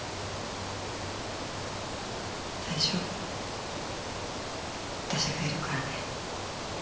大丈夫私がいるからね。